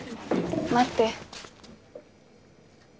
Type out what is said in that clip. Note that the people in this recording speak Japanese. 待って。